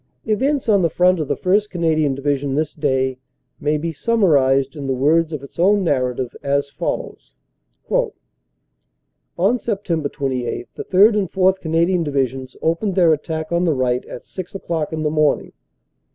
Events on the front of the 1st. Canadian Division this day may be summarized in the words of its own narrative, as fol lows: "On Sept. 28 the 3rd. and 4th. Canadian Divisions opened their attack on the right at six o clock in the morning.